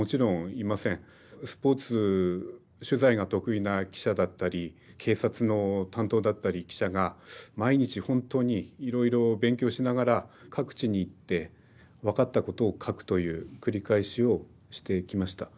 スポーツ取材が得意な記者だったり警察の担当だったり記者が毎日ほんとにいろいろ勉強しながら各地に行って分かったことを書くという繰り返しをしていきました。